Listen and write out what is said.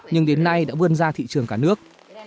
nhưng đến nay đã vươn ra thị trường cả nước